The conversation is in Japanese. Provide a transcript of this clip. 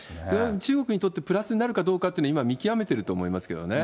中国にとってプラスになるかどうかって、今見極めていると思いますけどね。